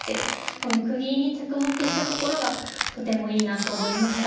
この釘に着目したところがとてもいいなと思いました。